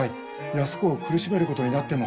安子を苦しめることになっても。